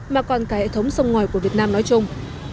mà còn cả hệ thống sông ngoài của việt nam nói chung